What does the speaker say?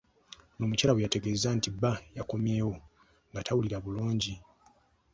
Ono mukyala we yategeezezza nti bba yakommyewo nga tawulira bulungi.